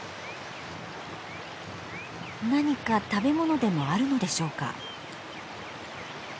何か食べ物でもあるのでしょうか？